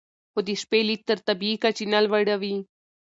خو د شپې لید تر طبیعي کچې نه لوړوي.